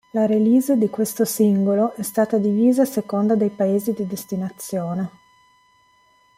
La release di questo singolo è stata divisa a seconda dei paesi di destinazione.